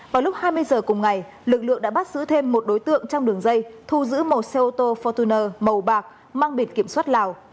vào lúc hai mươi giờ cùng ngày lực lượng đã bắt giữ thêm một đối tượng trong đường dây thu giữ một xe ô tô fortuner màu bạc mang biệt kiểm soát lào